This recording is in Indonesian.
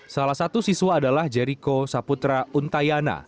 salah satu siswa adalah jeriko saputra untayana